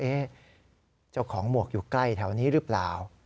เจ้าของหมวกอยู่ใกล้แถวนี้หรือเปล่า